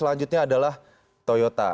selanjutnya adalah toyota